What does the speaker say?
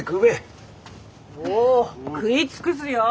おう食い尽くすよ！